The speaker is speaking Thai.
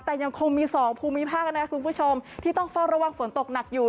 แต่ยังคงมีสองภูมิภาคนะครับคุณผู้ชมที่ต้องเฝ้าระวังฝนตกหนักอยู่